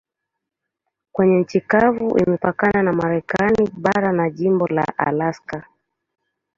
Kwenye nchi kavu imepakana na Marekani bara na jimbo la Alaska.